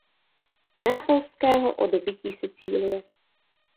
Neapolského o dobytí Sicílie.